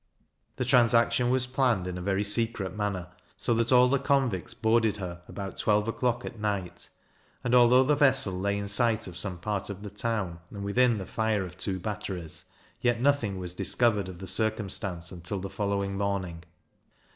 This transaction was planned in a very secret manner, so that all the convicts boarded her about twelve o'clock at night; and, although the vessel lay in sight of some part of the town, and within the fire of two batteries, yet nothing was discovered of the circumstance until the following morning.